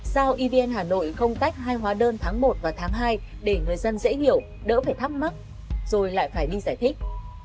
sao evn hà nội không tách hai hóa đơn tháng một và tháng hai để người dân dễ hiểu đỡ phải thắc mắc rồi lại phải đi giải thích